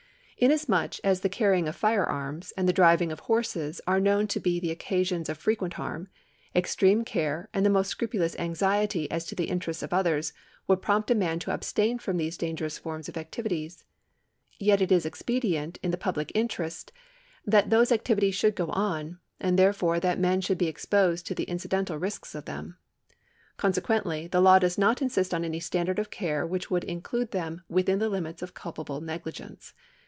In asmuch as the carrying of firearms and the driving of horses are known to be the occasions of frequent harm, extreme care and the most scrupulous anxiety as to the interests of others would prompt a man to abstain from those dangerous forms of activity. Yet it is expedient in the public interest that those activities should go on, and therefore that men should be exposed to the incidental risks of them. Consequently the law does not insist on any standard of care which would include them within the limits of culpable negligence.